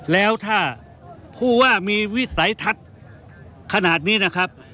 แล้วถ้าผู้ว่ามีวิสัยทัศน์ขนาดนี้นะครับ